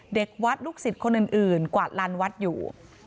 เด็กวัดลูกศิษย์คนอื่นกวาดลันวัดอยู่